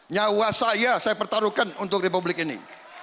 nyawa saya saya pertaruhkan untuk republik ini